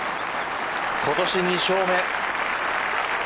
今年２勝目。